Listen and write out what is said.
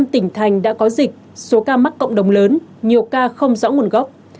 năm tỉnh thành đã có dịch số ca mắc cộng đồng lớn nhiều ca không rõ nguồn gốc